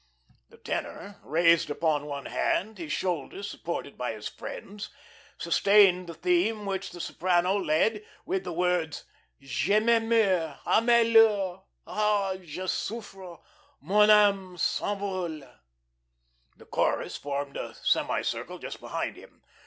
The tenor, raised upon one hand, his shoulders supported by his friends, sustained the theme which the soprano led with the words: "Je me meurs Ah malheur Ah je souffre Mon ame s'envole." The chorus formed a semi circle just behind him.